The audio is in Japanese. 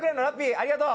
ありがとう。